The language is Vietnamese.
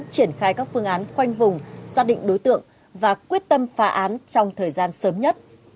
triển khai các phương án khoanh vùng xác định đối tượng và quyết tâm phá án trong thời gian sớm nhất